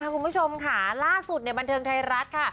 คุณผู้ชมค่ะล่าสุดบันเทิงไทยรัฐค่ะ